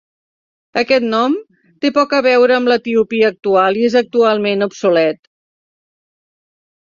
Aquest nom té poc a veure amb l'Etiòpia actual i és actualment obsolet.